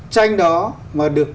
tranh đó mà được